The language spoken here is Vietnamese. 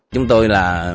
chúng tôi là